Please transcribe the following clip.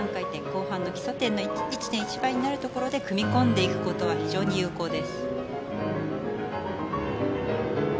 後半の基礎点の１．１倍になるところで組み込んでいくことは非常に有効です。